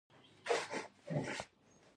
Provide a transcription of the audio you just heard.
ته باید دا خبره هیڅکله هیره نه کړې